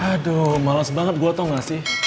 aduh malas banget gue tau gak sih